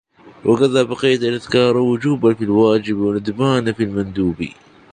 وَكَذَا بَقِيَّةُ الْأَذْكَارِ وُجُوبًا فِي الْوَاجِبِ وَنَدْبًا فِي الْمَنْدُوبِ